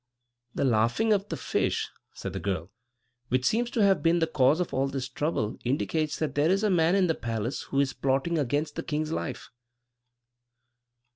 "The laughing of the fish," said the girl, "which seems to have been the cause of all this trouble, indicates that there is a man in the palace who is plotting against the king's life."